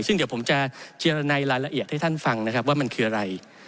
ซึ่งเดี๋ยวผมจะเจรในรายละเอียดให้ท่านฟังนะครับว่ามันคืออะไร